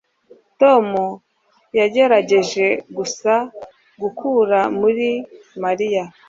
tom yagerageje gusa gukura muri mariya